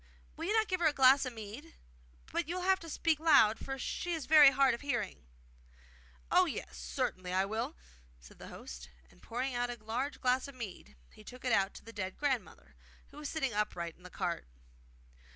Will you not give her a glass of mead? But you will have to speak loud, for she is very hard of hearing.' 'Oh yes, certainly I will!' said the host; and, pouring out a large glass of mead, he took it out to the dead grandmother, who was sitting upright in the cart.